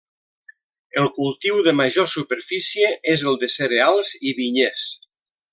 El cultiu de major superfície és el de cereals i vinyers.